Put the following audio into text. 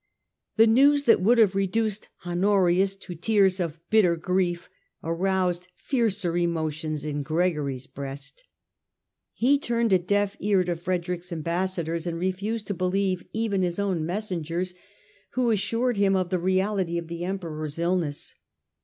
The news that would have reduced Honorius to tears of bitter grief aroused fiercer emotions in Gregory's breast. He turned a deaf ear to Frederick's ambassadors 8o STUPOR MUNDI and refused to believe even his own messengers, who assured him of the reality of the Emperor's illness.